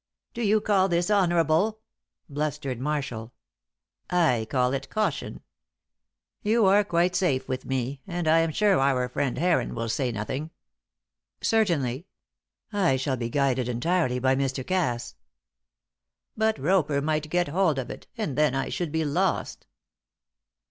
"Do you call this honourable?" blustered Marshall. "I call it caution. You are quite safe with me, and I am sure our friend Heron will say nothing." "Certainly. I shall be guided entirely by Mr. Cass." "But Roper might get hold of it, and then I should be lost."